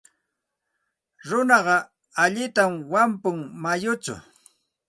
Runaqa allintam wampun mayuchaw.